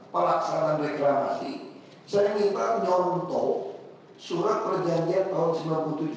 pelaksanaan reklamasi saya minta nyontok surat perjanjian tahun sembilan puluh tujuh